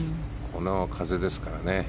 この風ですからね。